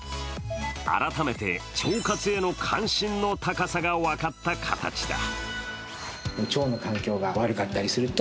改めて腸活への関心の高さが分かった形だ。